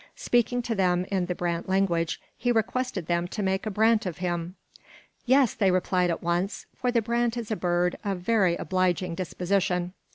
Speaking to them in the brant language, he requested them to make a brant of him. "Yes," they replied at once, for the brant is a bird of a very obliging disposition.